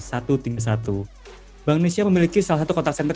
bank indonesia memiliki salah satu kontak senter